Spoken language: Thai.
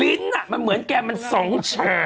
ลิ้นมันเหมือนแก่มันสองแฉ่